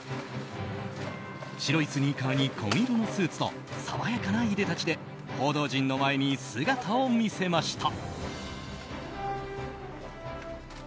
白いスニーカーに紺色のスーツと爽やかないでたちで報道陣の前に姿を見せました。